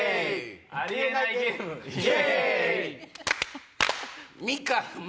ありえないゲーム！